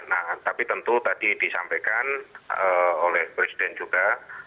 nah tapi tentu tadi disampaikan oleh presiden juga